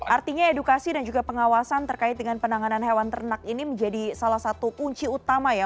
artinya edukasi dan juga pengawasan terkait dengan penanganan hewan ternak ini menjadi salah satu kunci utama ya